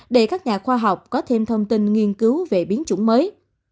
để các nhà khoa học có thêm thông tin nghiên cứu về biến chủng mới